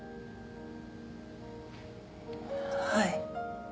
はい。